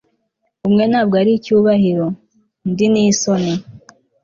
umwe ntabwo ari icyubahiro, undi ni isoni